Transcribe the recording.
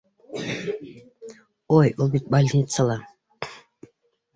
Ой, ул бит больницала!